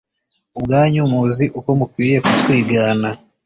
Ubwanyu muzi uko mukwiriye kutwigana